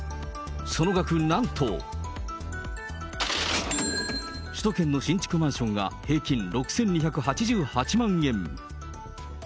その額、なんと、首都圏の新築マンションが平均６２８８万円。